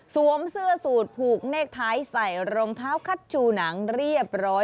เสื้อสูตรผูกเลขท้ายใส่รองเท้าคัดชูหนังเรียบร้อย